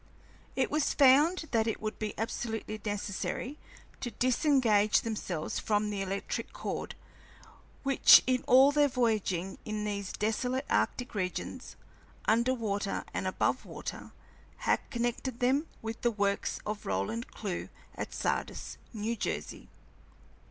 It was found that it would be absolutely necessary to disengage themselves from the electric cord which in all their voyaging in these desolate arctic regions, under water and above water, had connected them with the Works of Roland Clewe at Sardis, New Jersey.